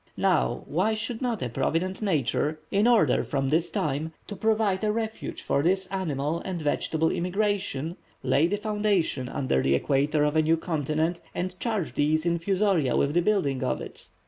Now, why should not a provident nature, in order from this time, to provide a refuge for this animal and vegetable emigration, lay the foundation, under the equator, of a new continent, and charge these infusoria with the building of it?